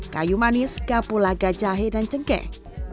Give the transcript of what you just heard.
kayu manis kapulaga jahe dan cengkeh